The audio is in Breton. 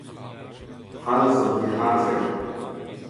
Falz an dic’harzher